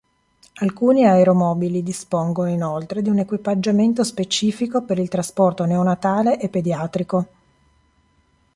Alcuni aeromobili dispongono, inoltre, di un equipaggiamento specifico per il trasporto neonatale e pediatrico.